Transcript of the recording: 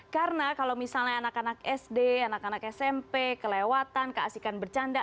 karena kalau misalnya anak anak sd anak anak smp kelewatan keasikan bercanda